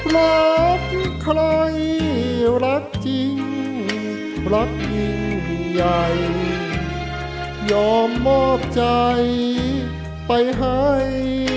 รักใครรักจริงรักยิ่งใหญ่ยอมมอบใจไปให้